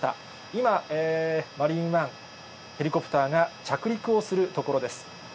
今、マリーンワン、ヘリコプターが着陸をするところです。